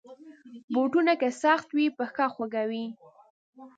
بوټونه که سخت وي، پښه خوږوي.